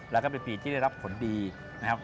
แล้วก็เป็นปีที่ได้รับผลดีนะครับ